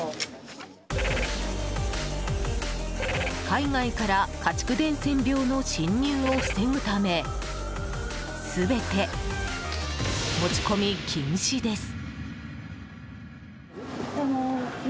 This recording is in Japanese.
海外から家畜伝染病の侵入を防ぐため全て持ち込み禁止です。